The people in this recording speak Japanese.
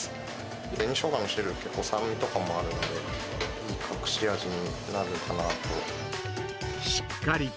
紅しょうがの汁は酸味もあるので、いい隠し味になるかなと。